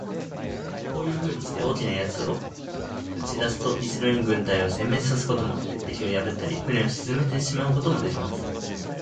こういうふうにして、大きな奴を打ち出すと、一度に軍隊を全滅さすことも、鉄壁を破ったり、船を沈めてしまうこともできます。